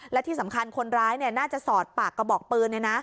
และที่สำคัญคนร้ายน่าจะสอดปากกระบอกปืน